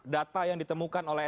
data yang ditemukan oleh